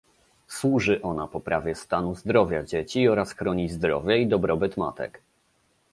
Służy ona poprawie stanu zdrowia dzieci oraz chroni zdrowie i dobrobyt matek